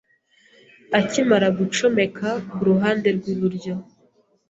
Akimara gucomeka kuruhande rwiburyo